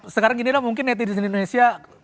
sekarang gini loh mungkin netizen indonesia